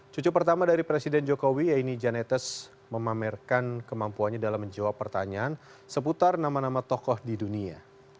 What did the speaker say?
cucu pertama dari presiden jokowi yaitu janetes memamerkan kemampuannya dalam menjawab pertanyaan seputar nama nama tokoh di dunia